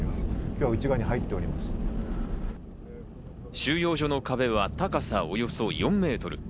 収容所の壁は高さおよそ４メートル。